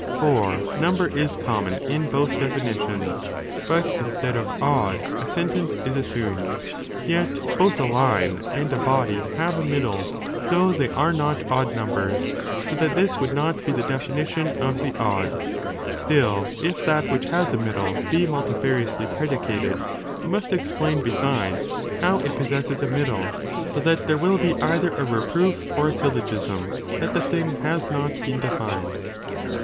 For number is common in both definitions, but instead of odd, a sentence is assumed; yet both a line and a body have a middle, though they are not odd numbers, so that this would not be the definition of the odd. Still, if that which has a middle be multifariously pre graph ip con. dicated, we must explain besides, how it pos cor? — sesses 8 middle, 'so that there will be either a Waite ho ον reproof or a syllogiam, that (the thing) has not 12th here. been defined.